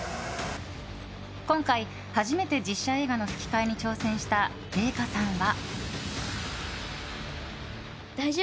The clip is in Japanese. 今回初めて実写映画の吹き替えに挑戦した麗禾さんは。